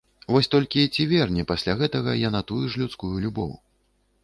Вось толькі ці верне пасля гэтага яна тую ж людскую любоў?